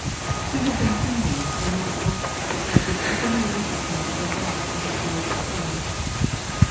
He had been hindered, and now asks that God would open the way for him to go back to his beloved friends.